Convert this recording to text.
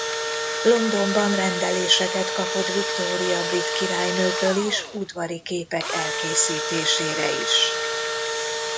Londonban rendeléseket kapott Viktória brit királynőtől is udvari képek elkészítésére is.